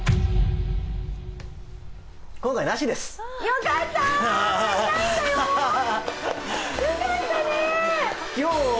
今回なしです。